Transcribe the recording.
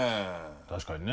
確かにね。